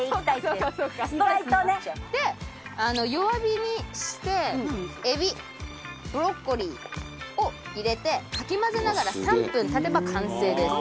弱火にしてエビブロッコリーを入れてかき混ぜながら３分経てば完成です。